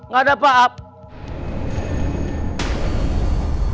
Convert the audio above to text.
gak ada apa apa